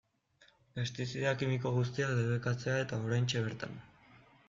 Pestizida kimiko guztiak debekatzea eta oraintxe bertan.